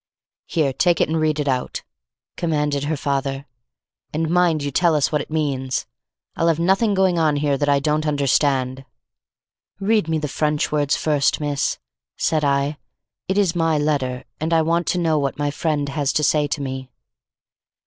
"Here take it and read it out," commanded her father; "and mind you tell us what it means. I'll have nothing going on here that I don't understand." "Read me the French words first, miss," said I. "It is my letter and I want to know what my friend has to say to me."